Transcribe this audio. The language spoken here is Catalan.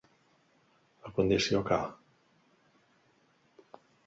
A condició que.